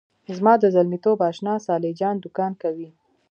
زما د زلمیتوب آشنا صالح جان دوکان کوي.